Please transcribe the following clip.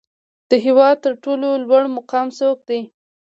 د هیواد تر ټولو لوړ مقام څوک دی؟